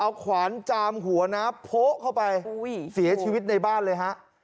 เอาขวานจามหัวนะโพะเข้าไปเสียชีวิตในบ้านเลยฮะ